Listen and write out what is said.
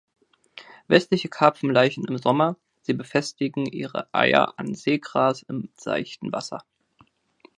Westliche Karpfen laichen im Sommer; sie befestigen ihre Eier an Seegras im seichten Wasser.